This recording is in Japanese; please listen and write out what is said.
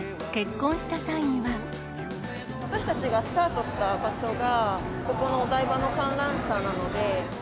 私たちがスタートした場所が、ここのお台場の観覧車なので。